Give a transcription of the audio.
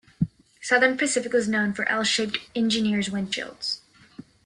Southern Pacific was known for L-shaped engineer's windshields.